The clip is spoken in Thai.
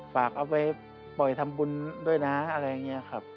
ฝากเอาไปปล่อยทำบุญด้วยนะอะไรอย่างนี้ครับ